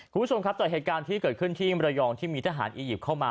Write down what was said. คุณผู้ชมครับจากเหตุการณ์ที่เกิดขึ้นที่มรยองที่มีทหารอียิปต์เข้ามา